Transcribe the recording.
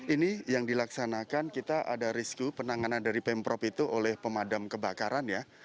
ini yang dilaksanakan kita ada rescue penanganan dari pemprov itu oleh pemadam kebakaran ya